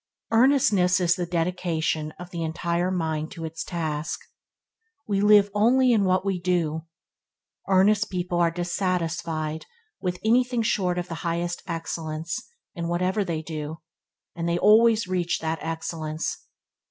Earnestness is the dedication of the entire mind to its task. We live only in what we do. Earnest people are dissatisfied with anything short of the highest excellence in whatever they do, and they always reach that excellence.